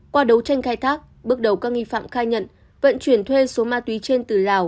qua đấu tranh khai thác bước đầu các nghi phạm khai nhận vận chuyển thuê số ma túy trên từ lào